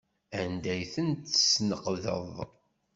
Anda ay ten-tesneqdeḍ?